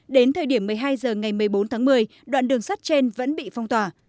đến thời điểm một mươi hai h ngày một mươi bốn tháng một mươi đoạn đường sắt trên vẫn bị phong tỏa